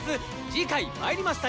次回「魔入りました！